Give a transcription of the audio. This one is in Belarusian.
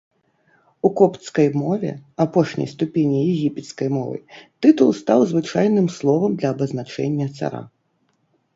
У копцкай мове, апошняй ступені егіпецкай мовы, тытул стаў звычайным словам для абазначэння цара.